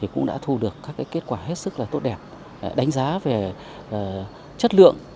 cũng đã thu được các kết quả hết sức tốt đẹp đánh giá về chất lượng